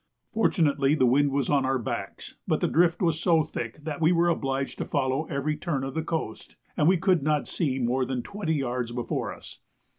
Fortunately the wind was on our backs; but the drift was so thick that we were obliged to follow every turn of the coast, and we could not see more than twenty yards before us.